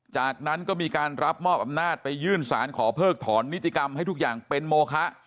จากนั้นก็มีการรับมอบอำนาจไปยื่นสารขอเพิกถอนนิติกรรมให้ทุกอย่างเป็นโมคะ